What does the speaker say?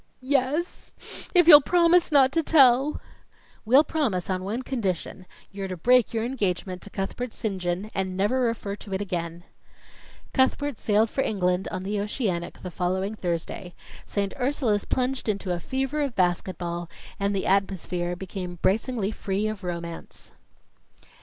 "Yes if you'll promise not to tell." "We'll promise on one condition you're to break your engagement to Cuthbert St. John, and never refer to it again." Cuthbert sailed for England on the Oceanic the following Thursday; St. Ursula's plunged into a fever of basket ball, and the atmosphere became bracingly free of Romance.